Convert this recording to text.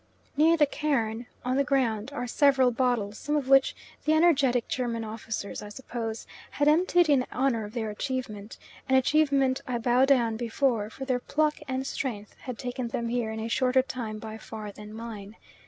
Near the cairn on the ground are several bottles, some of which the energetic German officers, I suppose, had emptied in honour of their achievement, an achievement I bow down before, for their pluck and strength had taken them here in a shorter time by far than mine.